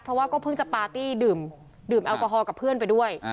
เพราะว่าก็เพิ่งจะปาร์ตี้ดื่มแอลกอฮอล์กับเพื่อนไปด้วย